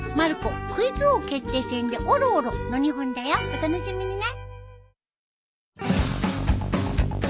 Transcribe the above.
お楽しみにね。